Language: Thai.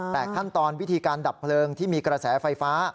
แต่ขั้นตอนวิธีการดับเพลิงที่มีกระแสไฟฟ้า